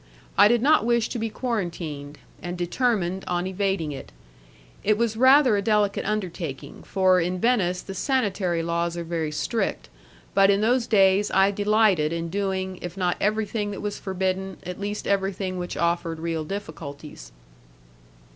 I did not wish to be quarantined, and determined on evading it. It was rather a delicate undertaking, for in Venice the sanitary laws are very strict, but in those days I delighted in doing, if not everything that was forbidden, at least everything which offered real difficulties.